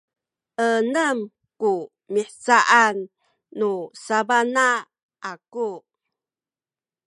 enem ku mihcaan nu sabana aku